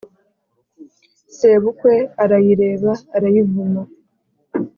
sebukwe arayireba arayivuma